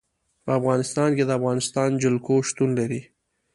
په افغانستان کې د افغانستان جلکو شتون لري.